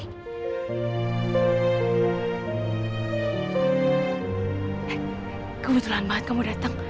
hei kebetulan banget kamu dateng